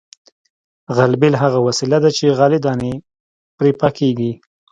غلبېل هغه وسیله ده چې غلې دانې پرې پاکیږي